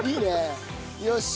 よし。